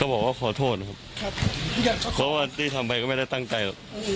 บอกว่าขอโทษนะครับเพราะว่าที่ทำไปก็ไม่ได้ตั้งใจหรอก